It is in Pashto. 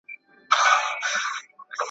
داسي بد ږغ یې هیڅ نه وو اورېدلی `